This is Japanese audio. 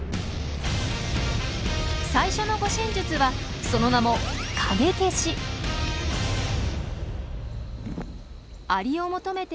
最初の護身術はその名もアリを求めて